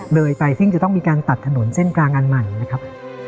เลยไปซึ่งจะต้องมีการตัดถนนเส้นกลางอันใหม่นะครับ